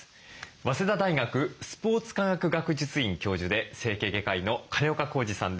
早稲田大学スポーツ科学学術院教授で整形外科医の金岡恒治さんです。